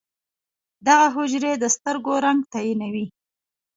دغه حجرې د سترګو رنګ تعیینوي.